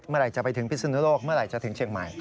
เมื่อไหร่จะไปถึงพิศนุโลกเมื่อไหร่จะถึงเชียงใหม่